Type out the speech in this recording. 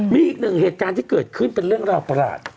มีอีกหนึ่งเหตุการณ์ที่เกิดขึ้นเป็นเรื่องราวประหลาด